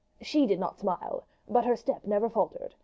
She did not smile, but her step never faltered.